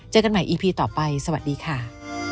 กันใหม่อีพีต่อไปสวัสดีค่ะ